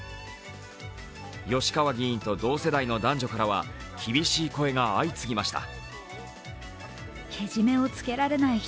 吉川議員と同世代の男女からは厳しい声が相次ぎました。